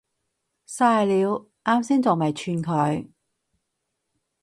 曬料，岩先仲未串佢